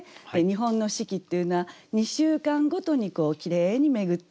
日本の四季っていうのは２週間ごとにきれいに巡っていくと。